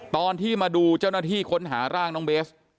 ตอนที่มาดูเจ้าหน้าที่ค้นหาร่างน้องเบส